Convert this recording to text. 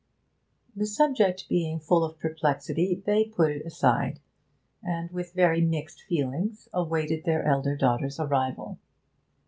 The subject being full of perplexity, they put it aside, and with very mixed feelings awaited their elder daughter's arrival.